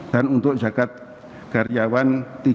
dan untuk zakat karyawan